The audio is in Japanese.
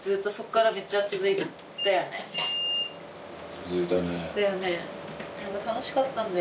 続いたね。